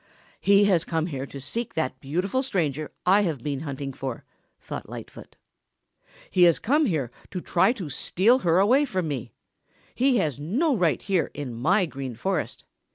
"He has come here to seek that beautiful stranger I have been hunting for," thought Lightfoot. "He has come here to try to steal her away from me. He has no right here in my Green Forest.